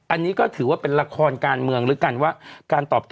อันนี้ก็ถือว่าเป็นละครการเมืองแล้วกันว่าการตอบโต้